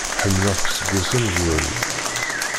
Ḥemmleɣ-k seg ass amezwaru.